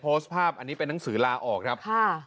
โพสต์ภาพอันนี้เป็นหนังสือลาออกครับค่ะ